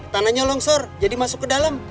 tanahnya longsor jadi masuk ke dalam